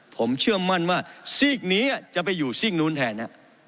ผมเชื่อมั่นว่าซีกนี้จะไปอยู่ซีกนู้นแทน